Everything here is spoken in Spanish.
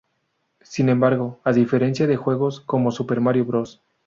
Sin embargo, a diferencia de juegos como Super Mario Bros.